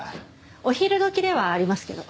お昼時ではありますけど。